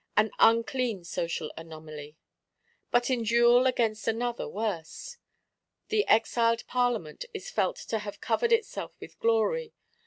An unclean Social Anomaly; but in duel against another worse! The exiled Parlement is felt to have "covered itself with glory."